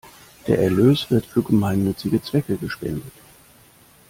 Der Erlös wird für gemeinnützige Zwecke gespendet.